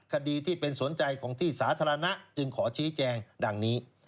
คดีที่เป็นสนใจของที่สาธารณะจึงขอชี้แจงดังนี้